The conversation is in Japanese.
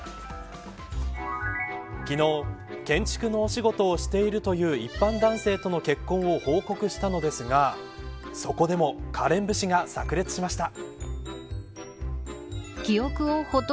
昨日、建築のお仕事をしているという一般男性との結婚を報告したのですがそこでもカレン節がさく裂しました。